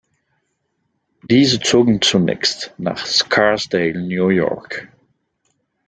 Diese zogen zunächst nach Scarsdale, New York.